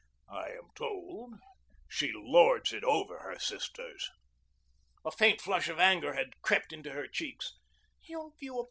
I am told she lords it over her sisters." A faint flush of anger had crept into her cheeks.